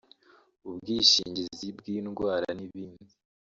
ubwishingizi bw’indwara n’ibindi